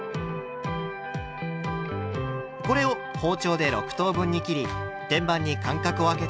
これを包丁で６等分に切り天板に間隔をあけて並べます。